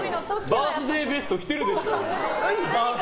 バースデーベスト着てるでしょ。